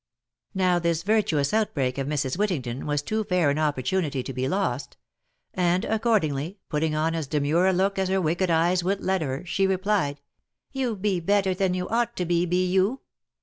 Now this virtuous outbreak of Mrs. Wittington, was too fair an opportunity to be lost ; and accordingly, putting on as demure a look as her wicked eyes would let her, she replied, " You be better than you ought to be, be you